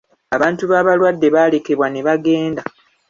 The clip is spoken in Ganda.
Abantu b'abalwadde baalekebwa ne bagenda.